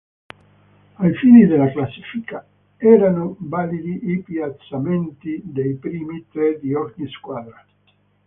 Ai fini della classifica erano validi i piazzamenti dei primi tre di ogni squadra.